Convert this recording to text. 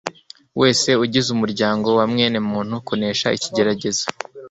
wese ugize umuryango wa mwenemuntu kunesha ikigeragezo